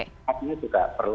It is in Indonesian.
ini juga perlu